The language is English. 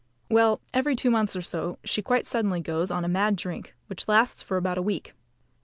Well, every two months or so she quite suddenly goes on a mad drink, which lasts for about a week.